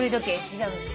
違う。